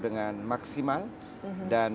dengan maksimal dan